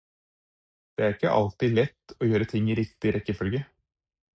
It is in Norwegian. Det er ikke alltid lett å gjøre ting i riktig rekkefølge.